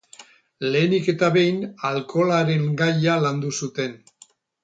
Lehenik eta behin, alkoholaren gaia landu zuten.